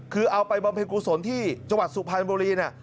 คือเอาไปบำเพ็ญกุศลที่จังหวัดสุพรรณบุรีเนี่ย